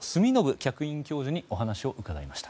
客員教授にお話を伺いました。